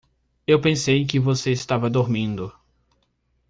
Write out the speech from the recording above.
Eu pensei que você estava dormindo.